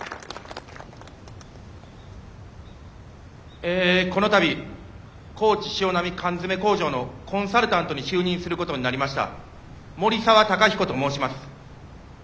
えこの度高知しおなみ缶詰工場のコンサルタントに就任することになりました森澤貴彦と申します。